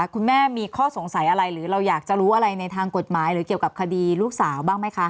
คุณแม่มีข้อสงสัยอะไรหรือเราอยากจะรู้อะไรในทางกฎหมายหรือเกี่ยวกับคดีลูกสาวบ้างไหมคะ